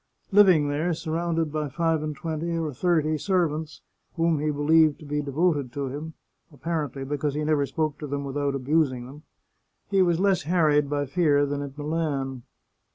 Living there, surrounded by five and twenty or thirty servants, whom he believed to be devoted to him — apparently because he never spoke to them without abusing them — he was less harried by fear than at Milan.